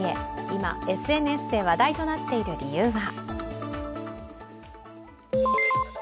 今、ＳＮＳで話題となっている理由は？